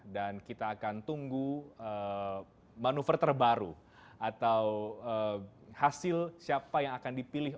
dan kita akan tunggu manuver terbaru atau hasil siapa yang akan dipilih